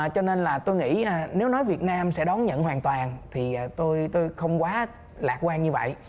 cho nên là tôi nghĩ nếu nói việt nam sẽ đón nhận hoàn toàn thì tôi không quá lạc quan như vậy